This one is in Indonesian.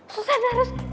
susan harus buat